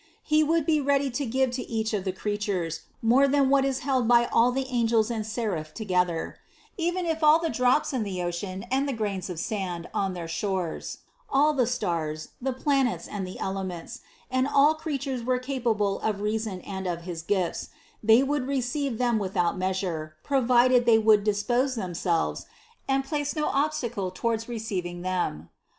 He would be ready to give to each of the creatures more than what is held by all the angels and seraphim together; even if all the drops in the ocean and the grains of sand on their shores, all the stars, the planets and the elements, and all creatures were capable of reason and of his gifts, they would receive them without measure, provided they would dispose themselves and place no obstacle toward receiving them.